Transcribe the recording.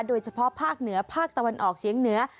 โดยเฉพาะภาคเหนือภาคตะวันออกเฉียงเหนือ